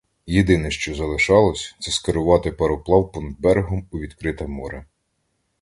Єдине, що залишалось, — це скерувати пароплав понад берегом у відкрите море.